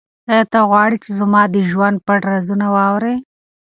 آیا ته غواړې چې زما د ژوند پټ رازونه واورې؟